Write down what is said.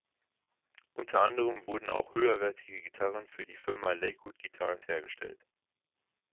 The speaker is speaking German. Unter anderem wurden auch höherwertige Gitarren für die Firma Lakewood Guitars hergestellt.